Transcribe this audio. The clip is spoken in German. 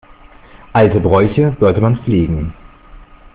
Alte Bräuche sollte man pflegen.